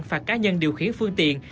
và cá nhân điều khiển phương tiện